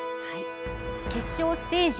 決勝ステージ